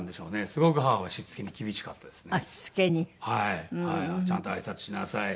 すごく母はしつけに厳しかったですね。